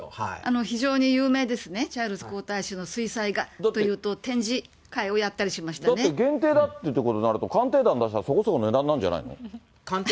非常に有名ですね、チャールズ皇太子の水彩画というと、展示だって限定だっていうことになると、鑑定団出したら、そこそこの値段になるんじゃないの？